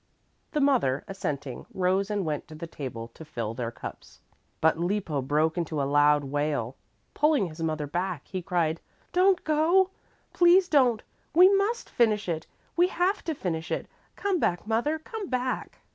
The mother, assenting, rose and went to the table to fill their cups. But Lippo broke into a loud wail. Pulling his mother back, he cried, "Don't go! Please don't! We must finish it. We have to finish it. Come back, mother, come back."